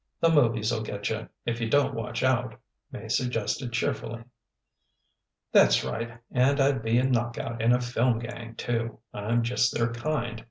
"The movies'll get you, if you don't watch out," May suggested cheerfully. "That's right; and I'd be a knock out in a film gang, too; I'm just their kind.